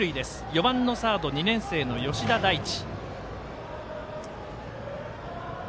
４番のサード、２年生の吉田大馳。